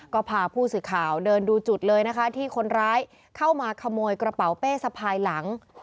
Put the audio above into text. ก็พาผู้สื่อข่าวเดินดูจุดเลยนะคะที่คนร้ายเข้ามาขโมยกระเป๋าเป้สะพายหลัง